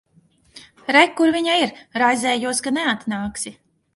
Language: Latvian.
Re, kur viņa ir. Raizējos, ka neatnāksi.